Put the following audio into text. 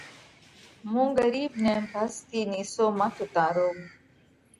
مُون ڳرِيٻ نئہ ڀس ٿِي نِيسو مت اُوتارو۔